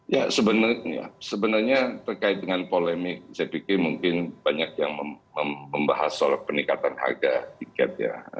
ya sebenarnya terkait dengan polemik saya pikir mungkin banyak yang membahas soal peningkatan harga tiket ya